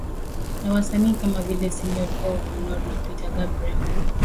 Na wasanii kama vile Sinead O Connor na Peter Gabriel